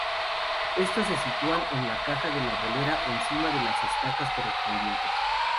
Estos se sitúan en la caja de la bolera encima de las estacas correspondientes.